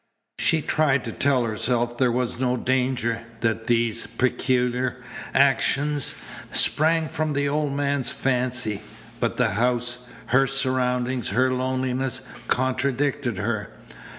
She tried to tell herself there was no danger that these peculiar actions sprang from the old man's fancy but the house, her surroundings, her loneliness, contradicted her.